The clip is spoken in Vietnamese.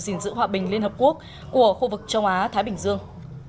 gìn giữ hòa bình liên hợp quốc của khu vực châu á thái bình dương